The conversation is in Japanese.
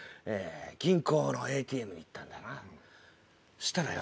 銀行のＡＴＭに行ったんだなそしたらよ